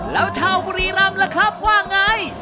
แล้วชาวบุรีรำล่ะครับว่าไง